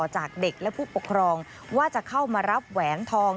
จากเด็กและผู้ปกครองว่าจะเข้ามารับแหวนทอง